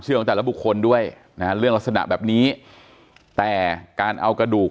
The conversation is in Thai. ของแต่ละบุคคลด้วยนะฮะเรื่องลักษณะแบบนี้แต่การเอากระดูก